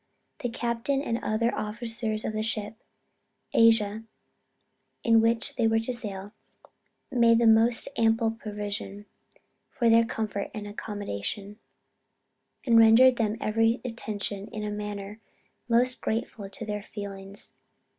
The captain and other officers of the ship Asia in which they were to sail, made the most ample provision for their comfort and accommodation, and rendered them every attention in a manner most grateful to their feelings.